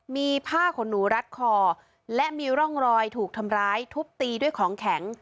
มีผ้าขนหนูรัดคอและมีร่องรอยถูกทำร้ายทุบตีด้วยของแข็ง